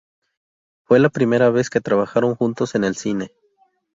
Fue la primera vez que trabajaron juntos en el cine.